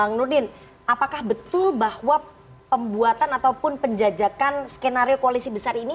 bang nurdin apakah betul bahwa pembuatan ataupun penjajakan skenario koalisi besar ini